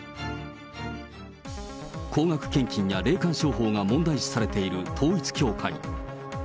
高額献金や霊感商法が問題視されている統一教会。